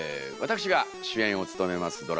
私が主演を務めます